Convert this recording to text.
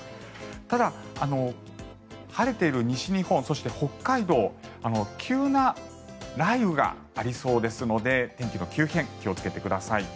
ただ、晴れている西日本そして北海道急な雷雨がありそうですので天気の急変気をつけてください。